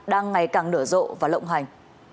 đang ngày càng nở rộ và lộng hành